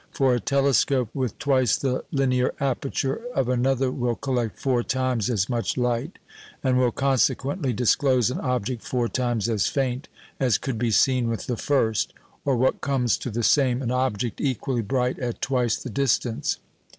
For a telescope with twice the linear aperture of another will collect four times as much light, and will consequently disclose an object four times as faint as could be seen with the first, or, what comes to the same, an object equally bright at twice the distance.